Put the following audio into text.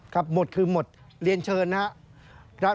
หมดคือหมดเรียนเชิญนะครับ